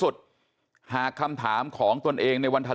ลาออกจากหัวหน้าพรรคเพื่อไทยอย่างเดียวเนี่ย